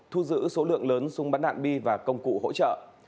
thu giữ số lượng lớn súng bắn đạn bi và công cụ hỗ trợ